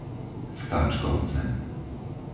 Vtáčkovce